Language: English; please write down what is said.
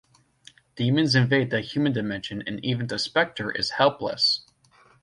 Demons invade the human dimension and even the Spectre is helpless.